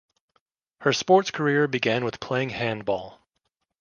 Her sports career began with playing handball.